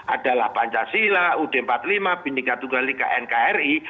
adalah pancasila ud empat puluh lima bindika tunggal ika nkri